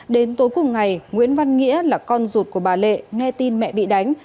đến tối cùng ngày nguyễn văn nghĩa là con rụt của bà lê nghe tin mẹ bị đánh